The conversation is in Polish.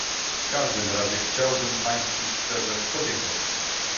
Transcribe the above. W każdym razie chciałbym państwu szczerze podziękować